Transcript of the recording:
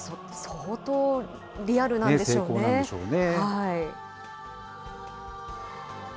相当リアルなんでしょうね。